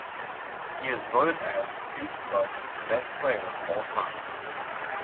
He was voted as Stuttgart's best player of all time.